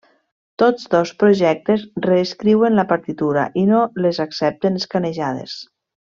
Tots dos projectes reescriuen la partitura i no les accepten escanejades.